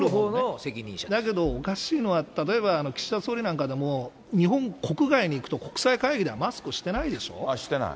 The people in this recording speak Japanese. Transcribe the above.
だけど、おかしいのは、例えば岸田総理なんかでも、日本国外に行くと、国際会議ではマスクしてないでしょ。